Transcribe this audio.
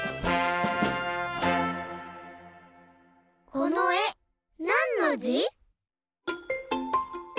このえなんのじ？